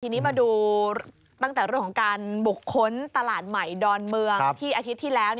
ทีนี้มาดูตั้งแต่เรื่องของการบุคคลตลาดใหม่ดอนเมืองที่อาทิตย์ที่แล้ว